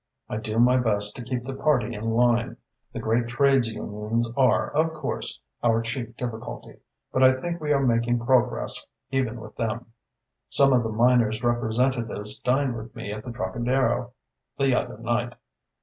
"I do my best to keep the party in line. The great trades unions are, of course, our chief difficulty, but I think we are making progress even with them. Some of the miners' representatives dined with me at the Trocadero the other night.